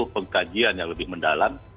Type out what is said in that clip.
pengkajian yang lebih mendalam